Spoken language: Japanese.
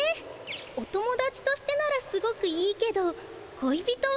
お友だちとしてならすごくいいけど恋人は。